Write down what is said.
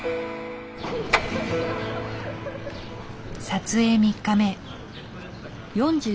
撮影３日目。